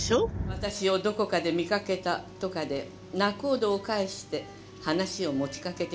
「私をどこかで見かけたとかで仲人を介して話を持ち掛けてきたのです」。